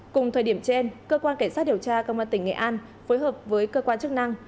cùng thời điểm trên cơ quan cảnh sát điều tra công an tỉnh nghệ an phối hợp với cơ quan chức năng